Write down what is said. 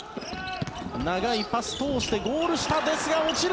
長いパスを通してゴール下ですが落ちる。